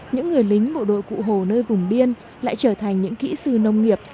những người lính bộ đội cụ hồ nơi vùng biên lại trở thành những kỹ sư nông nghiệp